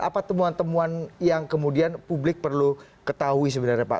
apa temuan temuan yang kemudian publik perlu ketahui sebenarnya pak